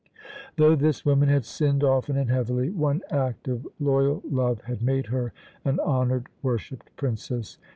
Though this woman had sinned often and heavily, one act of loyal love had made her an honoured, worshipped princess.